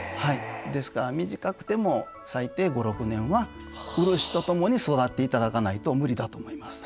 ですから短くても最低５６年は漆とともに育って頂かないと無理だと思います。